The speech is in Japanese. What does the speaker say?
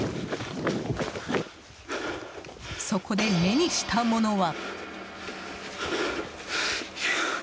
そこで目にしたものは。